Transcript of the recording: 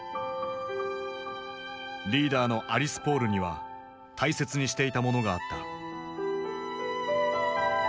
リーダーのアリス・ポールには大切にしていたものがあった。